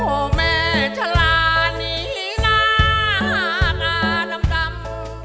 โอ้แม่ชะลานี่หน้าหน้าน้ำดำ